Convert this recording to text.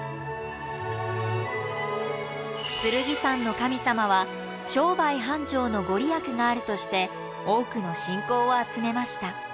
剣山の神様は商売繁盛の御利益があるとして多くの信仰を集めました。